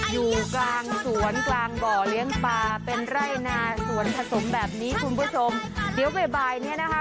อยู่กลางสวนกลางบ่อเลี้ยงปลาเป็นไร่นาสวนผสมแบบนี้คุณผู้ชมเดี๋ยวบ่ายบ่ายเนี้ยนะคะ